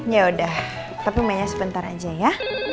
ya udah tapi mainnya sebentar aja ya